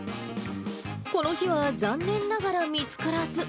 この日は、残念ながら見つからず。